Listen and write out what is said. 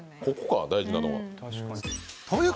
ここか大事なのは。